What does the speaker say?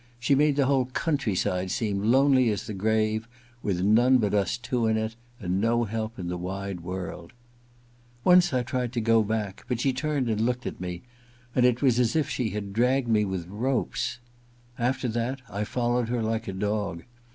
She made the whole countryside seem K IV THE LADY'S MAID'S BELL 151 lonely as the grave, with none but us two in it, and no help in the wide world. Once I tried to go back ; but she turned and looked at me, and it was as if she had dragged me with ropes. After that I followed her Uke a dog.